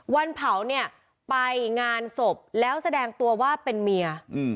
วันเผาเนี่ยไปงานศพแล้วแสดงตัวว่าเป็นเมีย